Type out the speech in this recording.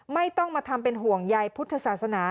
ไม่ต้องมาทำเป็นห่วงใยพุทธศาสนา